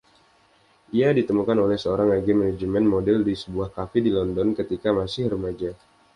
Ia ditemukan oleh seorang agen manajemen model di sebuah kafe di London, ketika masih remaja.